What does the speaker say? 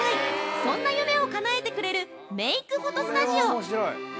そんな夢を叶えてくれるメイク・フォトスタジオ！